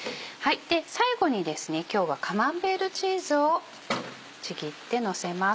最後に今日はカマンベールチーズをちぎってのせます。